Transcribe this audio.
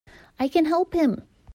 I can help him!